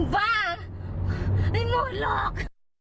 ว่าไม่หมดหรอก